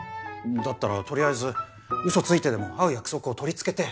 だったら取りあえず嘘ついてでも会う約束を取り付けて。